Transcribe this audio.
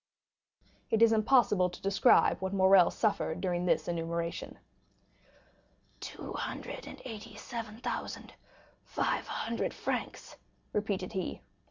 It is impossible to describe what Morrel suffered during this enumeration. "Two hundred and eighty seven thousand five hundred francs," repeated he.